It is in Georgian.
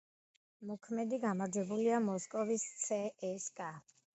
მოქმედი გამარჯვებულია მოსკოვის „ცსკა“.